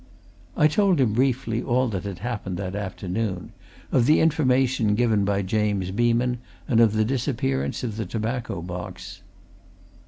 I told him, briefly, all that had happened that afternoon of the information given by James Beeman and of the disappearance of the tobacco box.